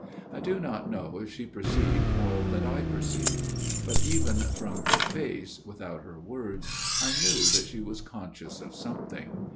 I do not know if she perceived all that I perceived ; but even from her face, without her words, I knew that she was conscious of something.